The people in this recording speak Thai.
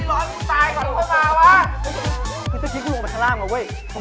เอ่อมึงคิดขึ้นไปทัลล่างเหรอเหรอเว้ย